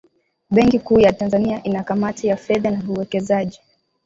benki kuu ya tanzania ina kamati ya fedha na uwekezaji